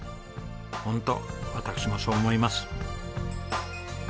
ホント私もそう思います。